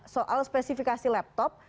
soal spesifikasi laptop